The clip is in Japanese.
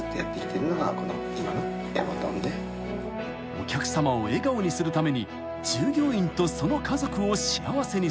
［お客さまを笑顔にするために従業員とその家族を幸せにする］